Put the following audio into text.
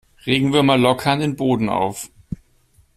Regenwürmer lockern den Boden auf.